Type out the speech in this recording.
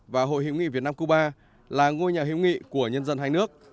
và hội hữu nghị việt nam cuba là ngôi nhà hiệu nghị của nhân dân hai nước